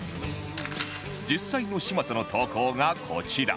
実際の嶋佐の投稿がこちら